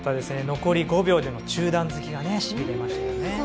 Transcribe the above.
残り５秒での中段突きがしびれましたね。